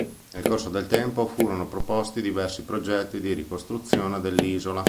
Nel corso del tempo furono proposti diversi progetti di ricostruzione dell'isola.